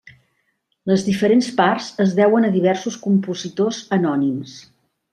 Les diferents parts es deuen a diversos compositors anònims.